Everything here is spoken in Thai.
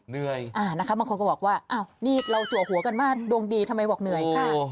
บางคนก็บอกว่าเราตัวหัวกันมาดวงดีทำไมบอกเหนื่อย